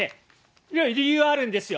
理由はあるんですよ。